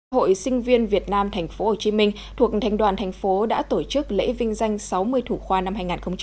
hội sinh viên việt nam tp hcm thuộc thành đoàn thành phố đã tổ chức lễ vinh danh sáu mươi thủ khoa năm hai nghìn hai mươi